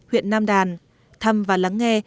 huyện nam đàn thăm và lắng nghe